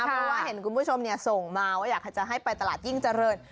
เพราะว่าเห็นคุณผู้ชมส่งมาว่าอยากจะให้ไปตลาดยิ่งเจริญ